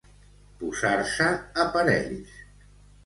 Posar-se a parells.